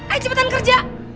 ayo cepetan kerja